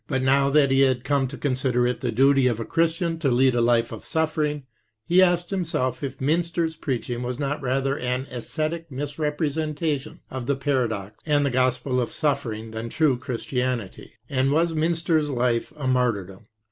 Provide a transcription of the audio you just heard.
But now that he had come to consider it the duty of a Christian to lead a life of suffering he asked himself if Mynster's preaching was not rather an esthetic misrepresentation of the paradox and the gospel of suffering than true Christianity; and was Mjmster's life a martyrdom?